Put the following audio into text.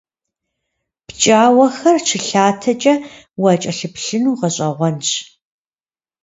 ПкӀауэхэр щылъатэкӀэ уакӀэлъыплъыну гъэщӀэгъуэнщ.